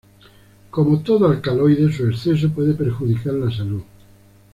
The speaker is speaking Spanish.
Como todo alcaloide su exceso puede perjudicar la salud.